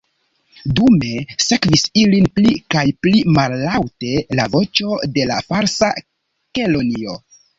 Dume sekvis ilin pli kaj pli mallaŭte la voĉo de la Falsa Kelonio.